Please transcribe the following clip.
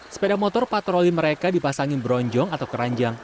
sepeda motor patroli mereka dipasangi bronjong atau keranjang